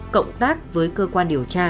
cộng tác với cơ quan điều tra